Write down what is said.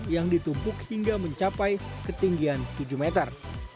yang ditumpuk hingga mencapai ketinggian tujuh meter